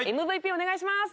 ＭＶＰお願いします。